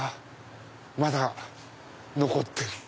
まだ残ってる。